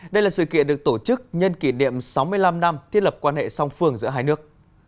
đây là sự kiện được tổ chức nhân kỷ niệm sáu mươi năm năm thiết lập quan hệ song phương giữa hai nước